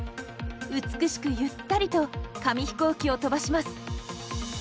美しくゆったりと紙飛行機を飛ばします。